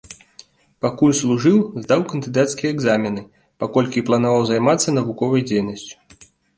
Пакуль служыў, здаў кандыдацкія экзамены, паколькі планаваў займацца навуковай дзейнасцю.